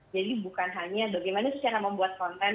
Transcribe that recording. jadi bukan hanya bagaimana cara membuat konten